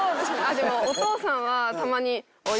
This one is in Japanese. でもお父さんはたまに。